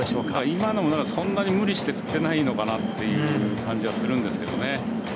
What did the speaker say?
今のもそんなに無理して振ってないのかなという感じはするんですけどね。